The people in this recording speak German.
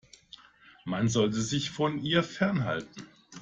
Man sollte sich von ihr fernhalten.